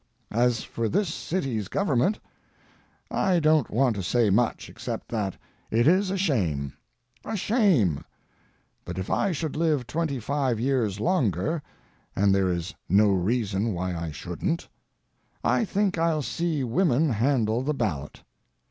As for this city's government, I don't want to say much, except that it is a shame—a shame; but if I should live twenty five years longer—and there is no reason why I shouldn't—I think I'll see women handle the ballot.